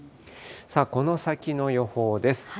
さあこの先の予報です。